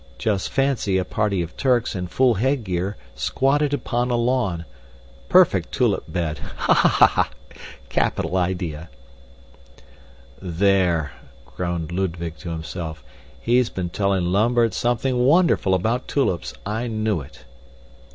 Just fancy a party of Turks in full headgear squatted upon a lawn perfect tulip bed! Ha! ha! Capital idea!" "There," groaned Ludwig to himself, "he's been telling Lambert something wonderful about tulips I knew it!"